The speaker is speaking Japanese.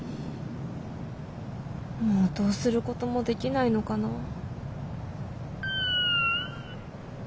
もうどうすることもできないのかな。